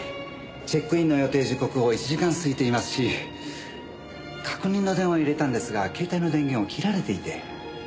チェックインの予定時刻を１時間過ぎていますし確認の電話を入れたんですが携帯の電源を切られていて。